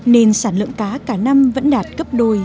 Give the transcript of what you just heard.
nên sản lượng cá cả năm vẫn đạt cấp đôi